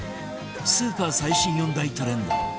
スーパー最新４大トレンド